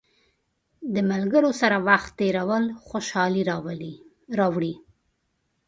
د ملګرو سره وخت تېرول خوشحالي راوړي.